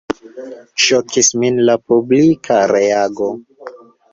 Ŝokis min la publika reago.